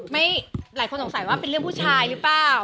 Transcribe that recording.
หลายคนสงสัยว่าเป็นเรื่องผู้ชายหรือเปล่า